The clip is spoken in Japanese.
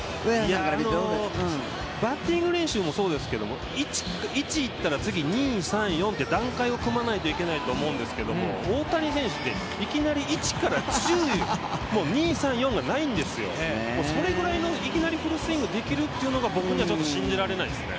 バッティング練習もそうですけど、１いったら次２、３、４と段階を組まないといけないと思うんですけど、大谷選手っていきなり１から１０２、３、４がないんですよ、それぐらいのいきなりフルスイングができるっていうのが僕にはちょっと信じられないですね。